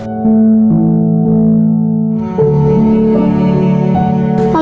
คุณสุขสบาย